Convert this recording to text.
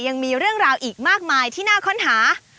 ยังมีเรื่องราวอีกมากมายที่น่าค้นหา